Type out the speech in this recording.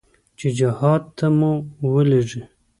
چې جهاد ته مو ولېږي.